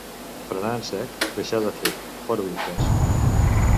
Frenar en sec, deixar de fer, fora dubtes.